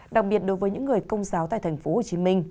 đặc biệt đối với những người công giáo tại tp hcm